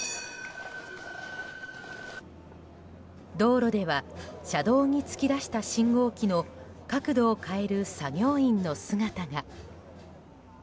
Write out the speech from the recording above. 道路では車道に突き出した信号機の角度を変える作業員の姿が。